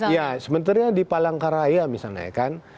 ya sementara di palangkaraya misalnya ya kan